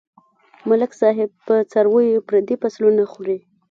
ملک صاحب په څارويو پردي فصلونه خوري.